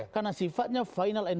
karena sifatnya final and best